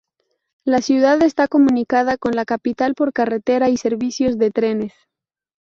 La ciudad está comunicada con la capital por carretera y servicios de trenes.